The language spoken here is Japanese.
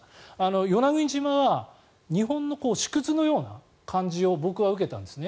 与那国島は日本の縮図のような感じを僕は受けたんですね。